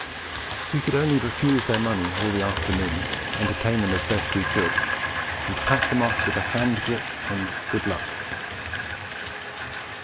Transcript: We could only refuse their money all the afternoon, entertain them as best we could, and pack them off with a hand grip and 'Good luck!'